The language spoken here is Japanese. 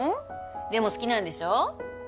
でも好きなんでしょ？